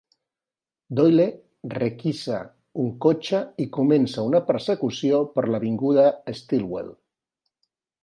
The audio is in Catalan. Doyle requisa un cotxe i comença una persecució per l'avinguda Stillwell.